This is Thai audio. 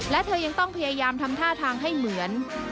และเธอยังต้องพยายามทำท่าทางให้เหมือน